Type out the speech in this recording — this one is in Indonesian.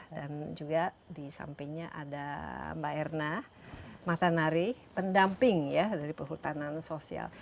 dan juga di sampingnya ada mbak erna matanari pendamping dari perhutanan sosial